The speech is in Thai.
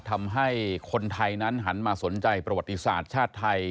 ทำให้คนไทยนั้นหันมาสนใจประวัติศาสตร์ชาติไทย